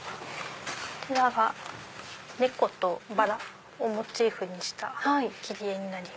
こちらが猫とバラをモチーフにした切り絵になります。